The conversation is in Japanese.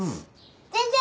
全然！